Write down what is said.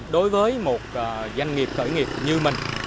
đối với một doanh nghiệp cởi nghiệp như mình